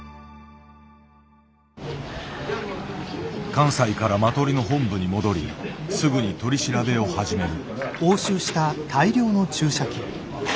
関西からマトリの本部に戻りすぐに取り調べを始める。